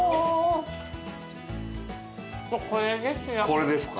これですか。